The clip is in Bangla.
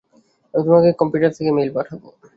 আমি তোমাকে কম্পিউটার থেকে ই-মেইল পাঠাবো।